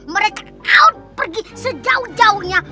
mereka harus pergi sejauh jauhnya